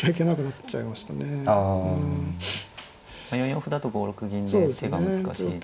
４四歩だと５六銀で手が難しい。